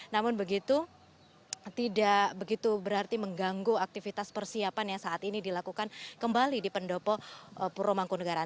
namun begitu tidak begitu berarti mengganggu aktivitas persiapan yang saat ini dilakukan kembali di pendopo purwomangku negara